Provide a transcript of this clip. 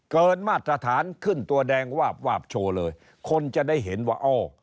เกินมาตรฐานขึ้นตัวแดงวาบวาบโชว์เลยคนจะได้เห็นว่าอ้อ